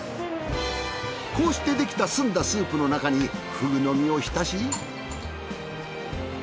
こうしてできた澄んだスープの中にふぐの身を浸し。